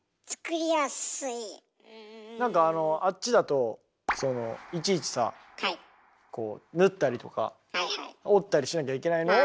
何かあのあっちだとそのいちいちさこう縫ったりとか織ったりしなきゃいけないのを。